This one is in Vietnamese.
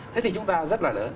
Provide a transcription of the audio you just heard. thế thì chúng ta rất là lớn